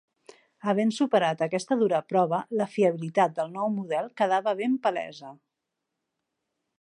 Havent superat aquesta dura prova, la fiabilitat del nou model quedava ben palesa.